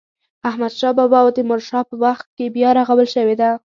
د احمد شا بابا او تیمور شاه په وخت کې بیا رغول شوې ده.